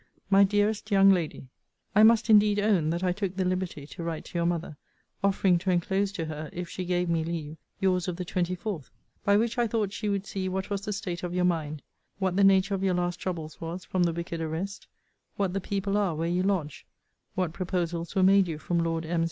MY DEAREST YOUNG LADY, I must indeed own that I took the liberty to write to your mother, offering to enclose to her, if she gave me leave, your's of the 24th: by which I thought she would see what was the state of your mind; what the nature of your last troubles was from the wicked arrest; what the people are where you lodge; what proposals were made you from Lord M.'